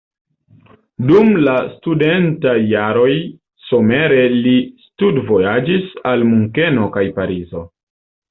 Dum la studentaj jaroj somere li studvojaĝis al Munkeno kaj Parizo.